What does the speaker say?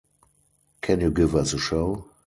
Can you give us a show?